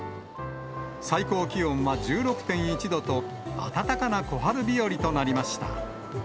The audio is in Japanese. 最高気温は１６．１度と、暖かな小春日和となりました。